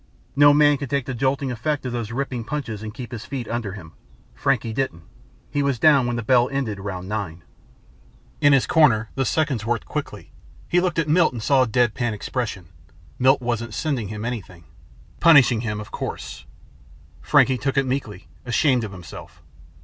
No man could take the jolting effect of those ripping punches and keep his feet under him. Frankie didn't he was down when the bell ended round nine. In his corner the seconds worked quickly. He looked at Milt and saw a dead pan expression. Milt wasn't sending him anything. Punishing him of course. Frankie took it meekly; ashamed of himself.